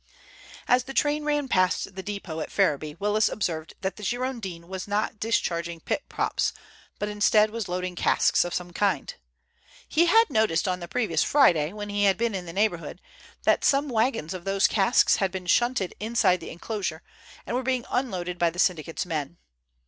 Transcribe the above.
As the train ran past the depot at Ferriby, Willis observed that the Girondin was not discharging pit props, but instead was loading casks of some kind. He had noted on the previous Friday, when he had been in the neighborhood, that some wagons of these casks had been shunted inside the enclosure, and were being unloaded by the syndicate's men.